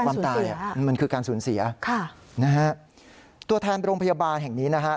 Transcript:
มันคือการสูญเสียครับค่ะนะฮะตัวแทนโรงพยาบาลแห่งนี้นะฮะ